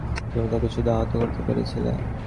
তুমি তাকে শুধু আহত করতে পেরেছিলে।